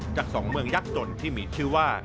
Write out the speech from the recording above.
จากสองเมืองยักษ์จนที่มีชื่อว่า